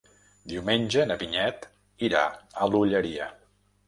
Diumenge na Vinyet irà a l'Olleria.